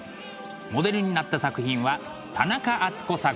モデルになった作品は田中敦子作